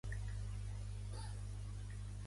Vull passar-me al canal Movistar Fusión.